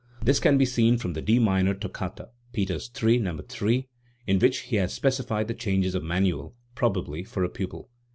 This can be seen from the D minor toccata (Peters III, No. 3), in which he has specified the changes of manual, probably for a pupil.